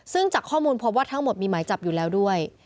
ซึ่งจากข้อมูลพบว่าทั้งหมดมีหมายจับอยู่แล้วด้วย